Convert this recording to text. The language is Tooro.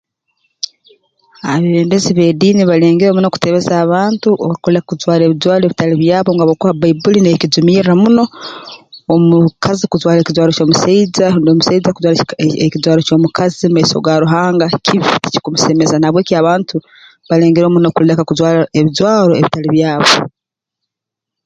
Abeebembezi b'ediini balengereho muno kutebeza abantu okuleka kujwara ebijwaro ebitali byabo ngu habwokuba bbaibbuli n'ekijumirra muno omukazi kujwara ekijwaro ky'omusaija rundi omusaija kujwara eki ekijwaro ky'omukazi mu maiso ga Ruhanga kibi tikikumusemeza na habw'eki abantu balengeho muno kuleka kujwara ebijwaro ebitali byabo